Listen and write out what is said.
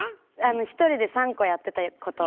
１人で３個やってたこと。